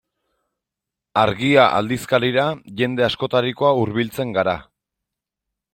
Argia aldizkarira jende askotarikoa hurbiltzen gara.